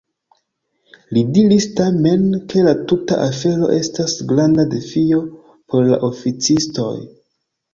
Li diris tamen, ke la tuta afero estas granda defio por la oficistoj.